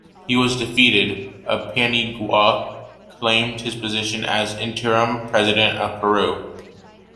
He was defeated, a Paniagua claimed his position as Interim President of Peru.